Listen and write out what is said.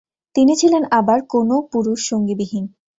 তিনি ছিলেন আবার কোনও পুরুষ সঙ্গীবিহীন ।